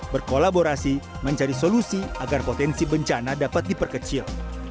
berkolaborasi mencari solusi agar potensi bencana dapat diperkecil